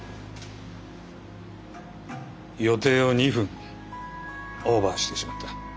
予定を２分オーバーしてしまった。